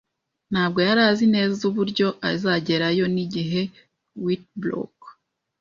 Ntabwo yari azi neza uburyo azagerayo, n'igihe. (witbrock)